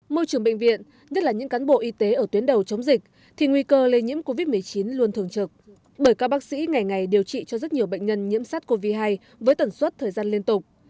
môi trường bệnh viện nhất là những cán bộ y tế ở tuyến đầu chống dịch thì nguy cơ lây nhiễm covid một mươi chín luôn thường trực bởi các bác sĩ ngày ngày điều trị cho rất nhiều bệnh nhân nhiễm sars cov hai với tần suất thời gian liên tục